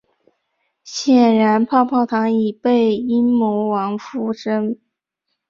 显然泡泡糖已被阴魔王附身。